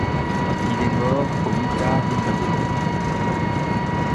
Il est mort au Mutare Zimbabwe.